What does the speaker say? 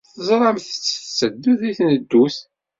Teẓramt-tt tetteddu deg tneddut.